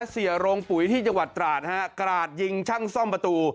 เสียโรงปุ๋ยที่จังหวัดตราดฮะกราดยิงช่างซ่อมประตู